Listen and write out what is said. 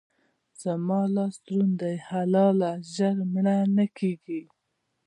زما لاس دروند دی؛ حلاله ژر مړه نه کېږي.